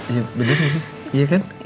iya bener sih iya kan